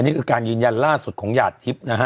นี่คือการยืนยันล่าสุดของหยาดทิพย์นะฮะ